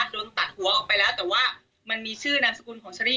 โดนตัดหัวออกไปแล้วแต่ว่ามันมีชื่อนามสกุลของเชอรี่